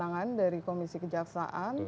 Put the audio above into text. kewenangan dari komisi kejaksaan